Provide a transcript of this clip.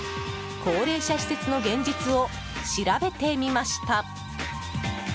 高齢者施設の現実を調べてみました。